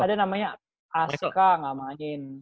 ada namanya aska nggak main